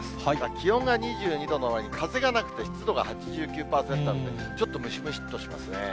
気温が２２度のわりに風がなくて湿度が８９％あってちょっとムシムシっとしますね。